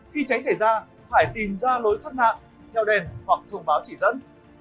khi cháy xảy ra phải tìm ra lối thoát nạn theo đèn hoặc thông báo chỉ dẫn